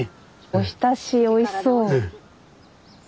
おひたしおいしそう。